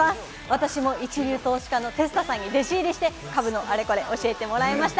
私も一流投資家のテスタさんに弟子入りして、株のあれこれを教えてもらいました。